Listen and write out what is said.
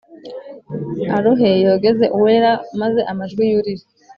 Arohe yogeze Uwera maze amajwi yurire